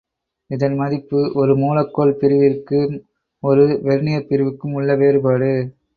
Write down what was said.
இதன் மதிப்பு ஒரு மூலக்கோல் பிரிவிற்கும் ஒரு வெர்னிர் பிரிவுக்கும் உள்ள வேறுபாடு.